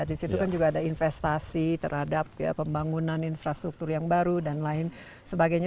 di situ kan juga ada investasi terhadap pembangunan infrastruktur yang baru dan lain sebagainya